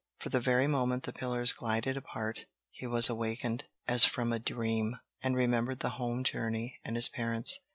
For the very moment the pillars glided apart, he was awakened, as from a dream, and remembered the home journey and his parents.